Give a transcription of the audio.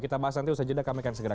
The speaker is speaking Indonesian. kita bahas nanti usaha jeda